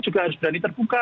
juga harus berani terbuka